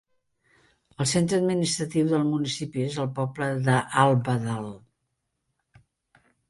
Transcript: El centre administratiu del municipi és el poble d'Alvdal.